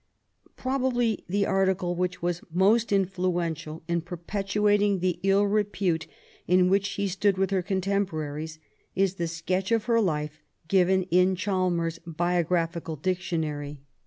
Probably the article which was most influential in perpetuating the ill repute in which she stood with her contemporaries, is the sketch of her life given in Chalmerses Biographical Dictionary.